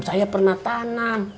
saya pernah tanam